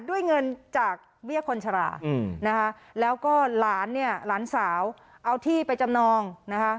ด้วยเงินจากเบี้ยคนชรานะคะแล้วก็หลานเนี่ยหลานสาวเอาที่ไปจำนองนะคะ